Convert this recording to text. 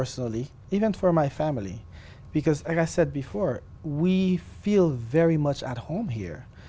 tôi hy vọng tôi sẽ có cơ hội